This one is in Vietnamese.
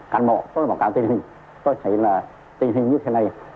cán bộ tôi báo cáo tình hình tôi thấy là tình hình như thế này